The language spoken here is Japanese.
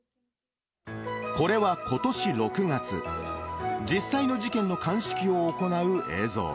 これはことし６月、実際の事件の鑑識を行う映像。